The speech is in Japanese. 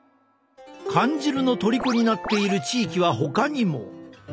缶汁のとりこになっている地域はほかにも！